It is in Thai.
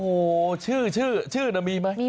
มีชื่อว่าเจ้าขุนสึก